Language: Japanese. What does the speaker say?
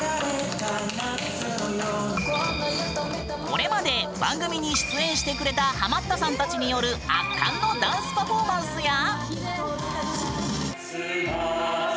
これまで番組に出演してくれたハマったさんたちによる圧巻のダンスパフォーマンスや。